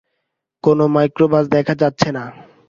কোনো মাইক্রোবাস দেখা যাচ্ছে না।